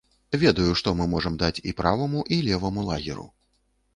Ведаю, што мы можам даць і праваму, і леваму лагеру.